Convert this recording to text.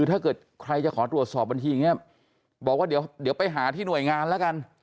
ถ้าใครอยากจะขอตรวจสอบบัญชีเดี๋ยวไปหาที่หน่วยงานละกัน